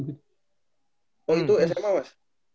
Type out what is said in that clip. oh itu sma mas